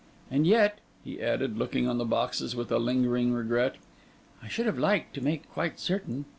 And yet,' he added, looking on the boxes with a lingering regret, 'I should have liked to make quite certain.